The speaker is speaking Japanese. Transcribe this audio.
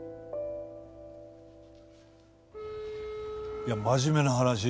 いや真面目な話